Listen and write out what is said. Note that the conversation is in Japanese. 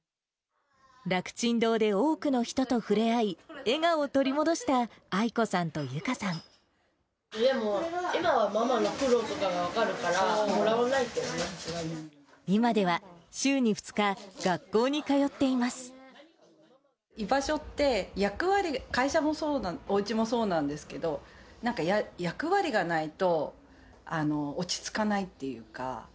楽ちん堂で多くの人と触れ合い、笑顔を取り戻した、今はママの苦労とかが分かるから、今では週に２日、学校に通っ居場所って、役割、会社も、おうちもそうなんですけど、役割がないと落ち着かないっていうか。